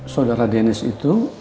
saudara dennis itu